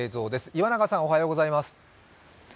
岩永さんおはようございます。